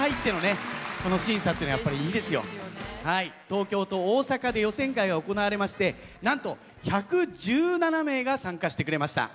東京と大阪で予選会が行われましてなんと１１７名が参加してくれました。